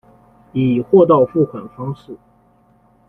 以货到付款方式